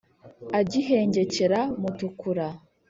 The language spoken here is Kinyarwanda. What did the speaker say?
agihengekera mutukura